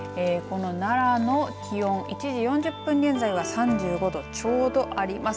奈良の気温、１時４０分現在は３５度ちょうどです。